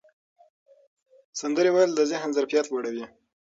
سندرې ویل د ذهن ظرفیت لوړوي.